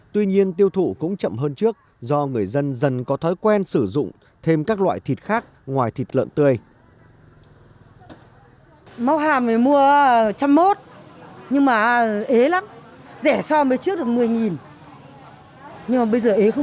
tuy nhiên tiêu thụ cũng chậm hơn trước do người dân dần có thói quen sử dụng thêm các loại thịt khác ngoài thịt lợn tươi